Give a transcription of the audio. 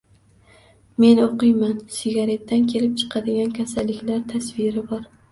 Men o'qiyman, sigaretadan kelib chiqadigan kasalliklar tasviri bor